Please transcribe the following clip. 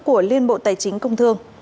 của liên bộ tài chính công thương